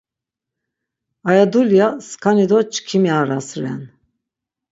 Aya dulya skani do çkimi aras ren.